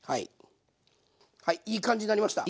はいいい感じになりました。